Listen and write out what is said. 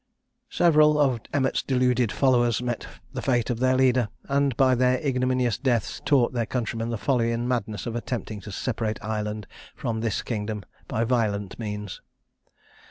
Several of Emmet's deluded followers met the fate of their leader, and by their ignominious deaths, taught their countrymen the folly and madness of attempting to separate Ireland from this kingdom by violent means.